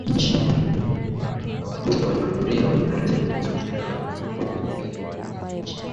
ya wajumbe waliohudhuria walikuwa mzee Dubois pamoja na Waafrika walioendelea kuwa viongozi wa nchi